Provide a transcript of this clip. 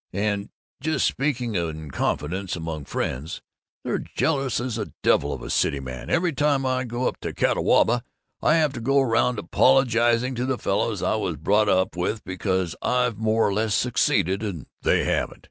And, just speaking in confidence among friends, they're jealous as the devil of a city man. Every time I go up to Catawba I have to go around apologizing to the fellows I was brought up with because I've more or less succeeded and they haven't.